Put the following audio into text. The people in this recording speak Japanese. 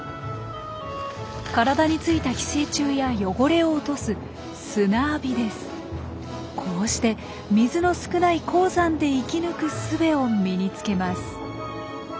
体についた寄生虫や汚れを落とすこうして水の少ない高山で生き抜くすべを身につけます。